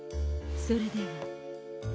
それでは。